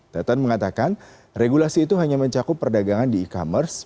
teten mengatakan regulasi itu hanya mencakup perdagangan di e commerce